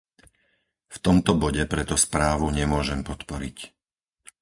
V tomto bode preto správu nemôžem podporiť.